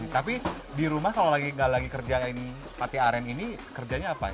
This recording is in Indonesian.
tapi di rumah kalau gak lagi kerjain pate aren ini kerjanya apa ya